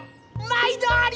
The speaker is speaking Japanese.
毎度あり。